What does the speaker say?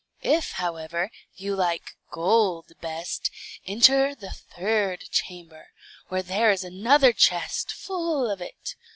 If, however, you like gold best, enter the third chamber, where there is another chest full of it.